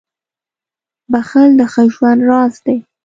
• بښل د ښه ژوند راز دی.